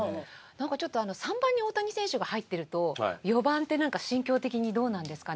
なんかちょっと３番に大谷選手が入ってると４番ってなんか心境的にどうなんですかね？